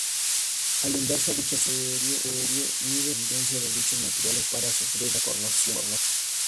A la inversa, dicha serie mide la tendencia de dichos materiales para sufrir corrosión.